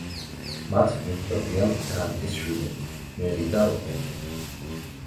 მათ მიჰყვებიან გრანტის შვილები, მერი და რობერტი.